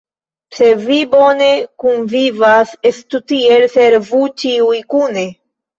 Se vi bone kunvivas, estu tiel: servu ĉiuj kune!